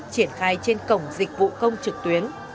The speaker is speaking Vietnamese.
triển khai trên cổng dịch vụ công trực tuyến